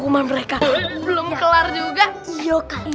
buku bukuannya tuh kayak gini